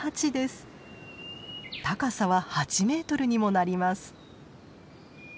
高さは８メートルにもなります。